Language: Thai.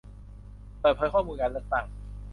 เปิดเผยข้อมูลการเลือกตั้ง